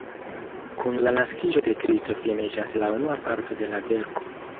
Kun la naskiĝo de Kristo finiĝas la unua parto de la verko.